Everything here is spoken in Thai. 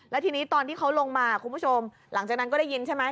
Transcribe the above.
แล้วทีนี้ตอนที่เขาลงมาคุณผู้ชมหลังจากนั้นก็ได้ยินใช่ไหม